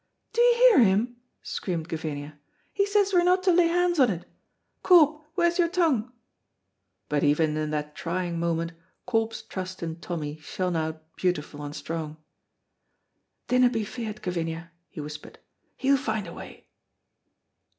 "Do you hear him?" screamed Gavinia. "He says we're no to lay hands on't! Corp, where's your tongue?" But even in that trying moment Corp's trust in Tommy shone out beautiful and strong. "Dinna be feared, Gavinia," he whispered, "he'll find a wy."